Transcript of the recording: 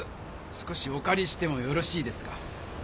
少しおかりしてもよろしいですか？